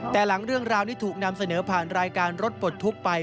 แต่หลังเรื่องราวนี้ถูกนำเสนอผ่านรายการรถปลดทุกข์ไป